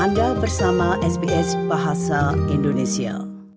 anda bersama sbs bahasa indonesia